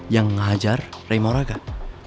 yang ngehajar ray maura gak